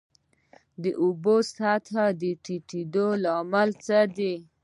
د اوبو د سطحې د ټیټیدو لامل څه دی؟